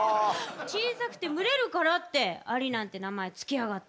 小さくて群れるからってアリなんて名前付けやがって。